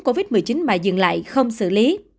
covid một mươi chín mà dừng lại không xử lý